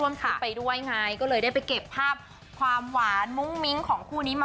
ไม่มาครับค่ะมันขาวเบิน